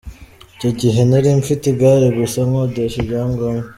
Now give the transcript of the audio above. Icyo gihe nari mfite igare gusa, nkodesha ibyangombwa.